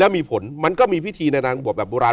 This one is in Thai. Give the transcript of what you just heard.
มีผลมันก็มีพิธีในนางบทแบบโบราณ